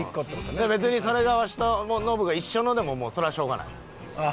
別にそれがわしとノブが一緒のでももうそれはしょうがない。